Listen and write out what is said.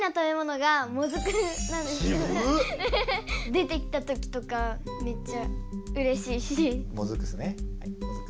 出てきたときとかめっちゃうれしいし。